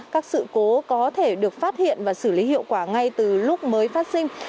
các sự cố có thể được phát hiện và xử lý hiệu quả ngay từ lúc mới phát sinh